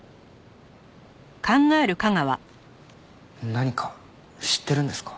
何か知ってるんですか？